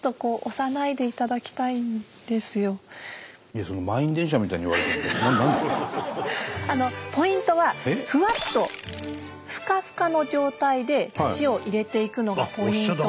伊達さんそんなふうにポイントはふわっとふかふかの状態で土を入れていくのがポイント。